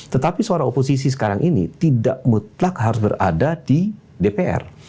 tetapi suara oposisi sekarang ini tidak mutlak harus berada di dpr